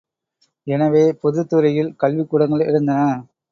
எனவே பொதுத் துறையில் கல்விக்கூடங்கள் எழுந்தன.